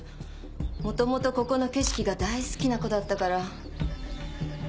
もともとここの景色が大好きな子だったから。